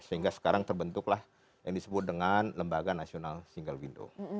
sehingga sekarang terbentuklah yang disebut dengan lembaga nasional single window